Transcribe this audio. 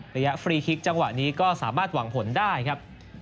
ระยะฟรีคลิกจังหวะนี้ก็สามารถหวังผลได้ครับ